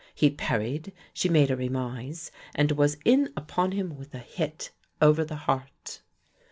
He parried; she made a remise, and was in upon him with a hit over the heart.